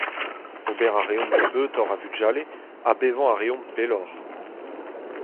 Ober a reomp nebeutoc'h a vugale ha bevañ a reomp pelloc'h.